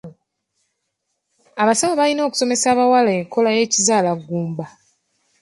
Abasawo balina okusomesa abawala enkola z'ekizaalaggumba.